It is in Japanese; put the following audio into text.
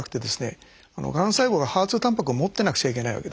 がん細胞がＨＥＲ２タンパクを持ってなくちゃいけないわけですね。